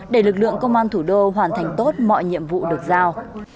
để lực lượng công an thủ đô hoàn thành tốt mọi nhiệm vụ được giao